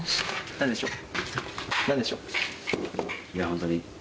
何でしょう？